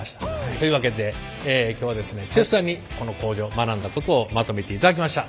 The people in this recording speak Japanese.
というわけで今日はですね剛さんにこの工場学んだことをまとめていただきました。